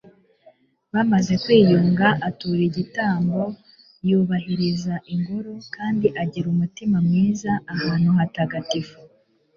bamaze kwiyunga atura igitambo, yubahiriza ingoro kandi agirira umutima mwiza ahantu hatagatifu